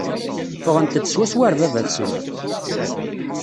Ffɣent-d swaswa ɣer baba-tsent.